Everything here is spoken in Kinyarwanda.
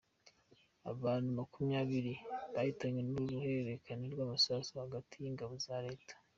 Abantu makumyabiri bahitanwe n’uruhererekane rw’amasasu hagati y’ingabo za Leta